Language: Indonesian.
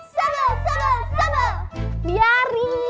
sebel sebel sebel